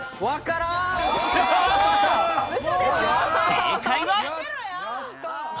正解は。